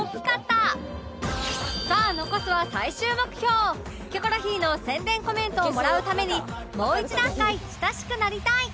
さあ残すは最終目標『キョコロヒー』の宣伝コメントをもらうためにもう一段階親しくなりたい